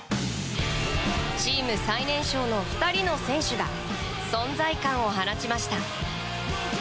チーム最年少の２人の選手が存在感を放ちました。